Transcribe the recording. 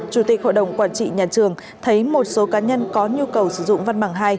chủ tịch hội đồng quản trị nhà trường thấy một số cá nhân có nhu cầu sử dụng văn bằng hai